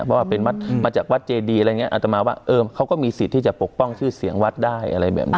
เพราะว่าเป็นวัดมาจากวัดเจดีอะไรอย่างนี้อัตมาว่าเออเขาก็มีสิทธิ์ที่จะปกป้องชื่อเสียงวัดได้อะไรแบบนี้